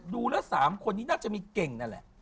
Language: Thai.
ดูแล้ว๓คนนี้น่าจะมีเก่งนั่นแหละ